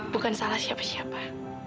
bukan salah siapa siapa